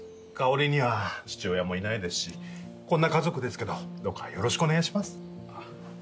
カオリには父親もいないですしこんな家族ですけどどうかよろしくお願いします。